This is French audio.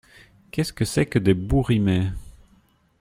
Qu’est-ce que c’est que des bouts-rimés ?